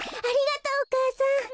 ありがとうお母さん。